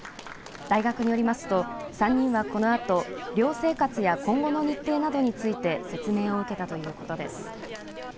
大学によりますと３人はこのあと寮生活や今後の日程などについて説明を受けたということです。